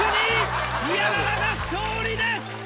宮川が勝利です！